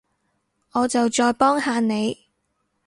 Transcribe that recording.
我就再幫下你